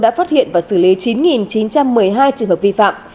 đã phát hiện và xử lý chín chín trăm một mươi hai trường hợp vi phạm